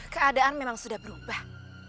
keadaan memang sudah berubah